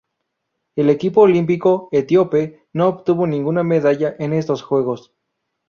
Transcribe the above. El equipo olímpico etíope no obtuvo ninguna medalla en estos Juegos.